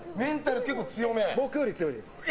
僕より強いです。